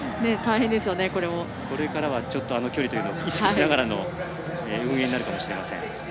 これからはあの距離を意識しながらの運営になるかもしれません。